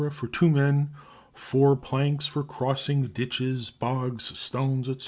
for two men; four planks for crossing ditches, bogs, stones, &c.